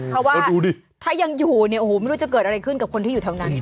เพราะว่าถ้ายังอยู่เนี่ยโอ้โหไม่รู้จะเกิดอะไรขึ้นกับคนที่อยู่แถวนั้น